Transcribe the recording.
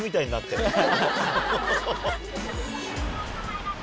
ハハハハハ！